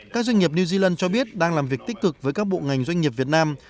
các doanh nghiệp new zealand cho biết đang làm việc tích cực với các bộ ngành doanh nghiệp việt nam